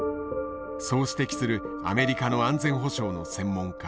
そう指摘するアメリカの安全保障の専門家